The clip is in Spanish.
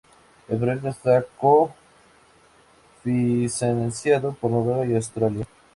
El proyecto está co-financiado por Noruega y Australia.